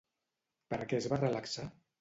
Per què es va relaxar?